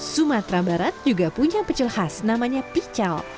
sumatera barat juga punya pecel khas namanya pical